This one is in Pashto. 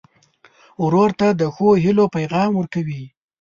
ورور ته د ښو هيلو پیغام ورکوې.